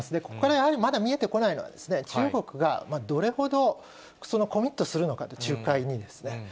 ここからやはり、まだ見えてこないのは、中国がどれほどそのコミットするのか、仲介にですね。